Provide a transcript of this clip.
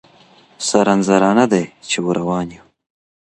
سرنذرانه دی چي ور روان یو